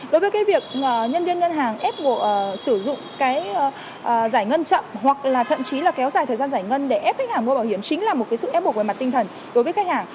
đối với cái việc nhân viên ngân hàng ép buộc sử dụng cái giải ngân chậm hoặc là thậm chí là kéo dài thời gian giải ngân để ép khách hàng mua bảo hiểm chính là một cái sự ép buộc về mặt tinh thần đối với khách hàng